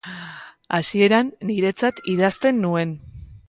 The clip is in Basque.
Hasieran, niretzat idazten nuen.